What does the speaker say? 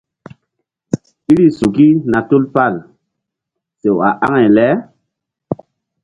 Iri suki na tupal sew a aŋay le.